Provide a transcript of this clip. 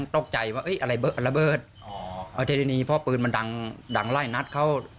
แถวนี้พ่อปืนมันดังไหล่นัดเข้า